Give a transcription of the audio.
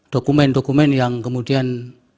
dokumen dokumen yang kemudian